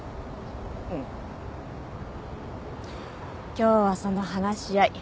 今日はその話し合い。